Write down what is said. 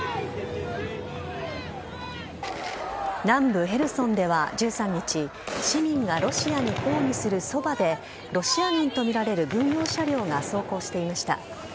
南部ヘルソンでは１３日、市民がロシアに抗議するそばで、ロシア軍と見られる軍用車両が走行していました。